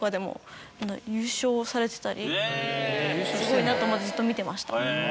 すごいなと思ってずっと見てました。